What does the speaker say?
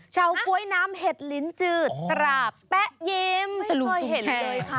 ชาวก๊วยน้ำเห็ดลิ้นจืดตราบแป๊ะยิ้มตะลุงตุงแช่